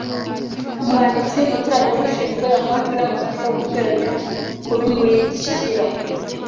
umwanditsi + ushinzwe amajwi n’amashusho + kubimurikira